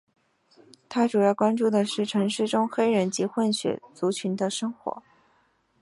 他主要关注的是城市中黑人及混血族群的生活。